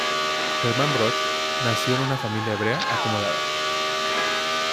Hermann Broch nació en una familia hebrea acomodada.